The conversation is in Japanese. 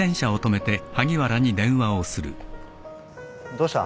どうした？